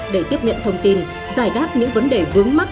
để tiếp nhận thông tin giải đáp những vấn đề vướng mắt